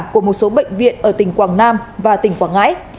của một số bệnh viện ở tỉnh quảng nam và tỉnh quảng ngãi